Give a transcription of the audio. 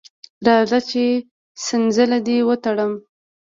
راځه چې څنځله دې وتړم.